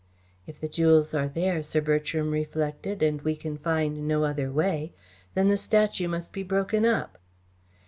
"If the jewels are there," Sir Bertram reflected, "and we can find no other way, then the statue must be broken up."